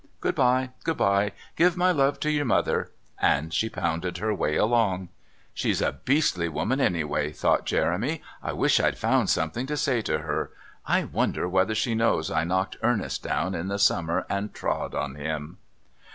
Good bye. Good bye. Give my love to your mother," and she pounded her way along. "She's a beastly woman anyway" thought Jeremy. "I wish I'd found something to say to her. I wonder whether she knows I knocked Ernest down in the summer and trod on him?"